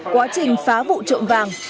quá trình phá vụ trộm vàng